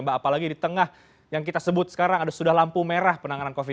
mbak apalagi di tengah yang kita sebut sekarang ada sudah lampu merah penanganan covid sembilan belas